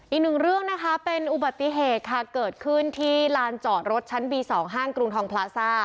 อีกหนึ่งเรื่องนะคะเป็นอุบัติเหตุค่ะเกิดขึ้นที่ลานจอดรถชั้นบี๒ห้างกรุงทองพลาซ่า